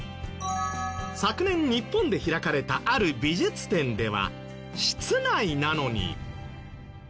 昨年日本で開かれたある美術展では室内なのに。